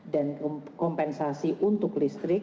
dan kompensasi untuk listrik